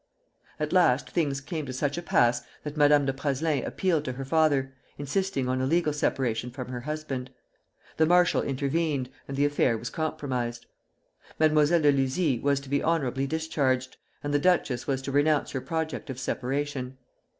At last things came to such a pass that Madame de Praslin appealed to her father, insisting on a legal separation from her husband. The marshal intervened, and the affair was compromised. Mademoiselle de Luzy was to be honorably discharged, and the duchess was to renounce her project of separation.